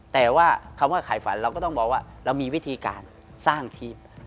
แต่ว่าคำว่าขายฝันเราก็ต้องบอกว่าเรามีวิธีการสร้างทีม